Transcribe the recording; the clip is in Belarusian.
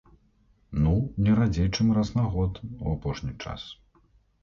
Ну, не радзей чым раз на год у апошні час.